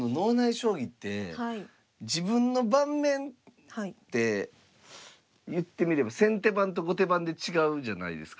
将棋って自分の盤面って言ってみれば先手番と後手番で違うじゃないですか。